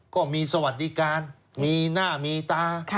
ก็มีสวัสดิการมีหน้ามีตา